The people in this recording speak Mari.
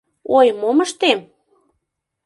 Ой, мом ыштем!..